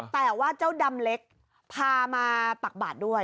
แต่ว่าเจ้าดำเล็กพามาตักบาทด้วย